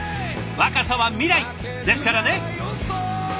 若さは未来ですからね！